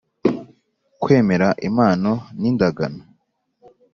kwemera impano n indangano